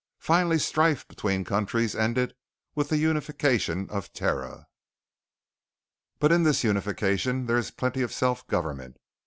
Finally strife between countries ended with the unification of Terra. But in this unification there is plenty of self government.